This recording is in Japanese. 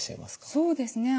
そうですね